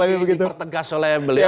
mungkin dipertegas oleh beliau